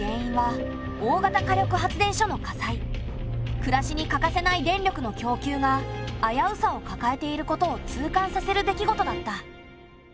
暮らしに欠かせない電力の供給があやうさをかかえていることを痛感させるできごとだった。